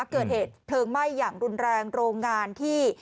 เกิดเหตุเพลิงไหม้อย่างรุนแรงโรงงานที่